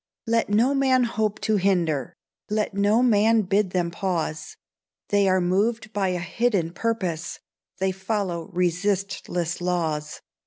Let no man hope to hinder, Let no man bid them pause: They are moved by a hidden purpose, They follow resistless laws.